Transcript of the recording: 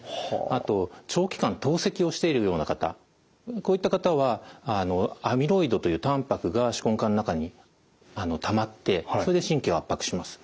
あと長期間透析をしているような方こういった方はアミロイドというたんぱくが手根管の中にたまってそれで神経を圧迫します。